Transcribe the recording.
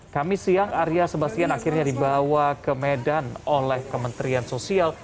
kami siang arya sebastian akhirnya dibawa ke medan oleh kementerian sosial